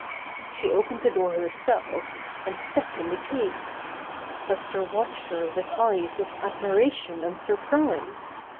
She opened the door herself and stepped in the cage. Buster watched her with eyes of admiration and surprise.